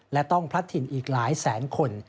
และต้องพลัดถิ่นอีกหลายแสนคน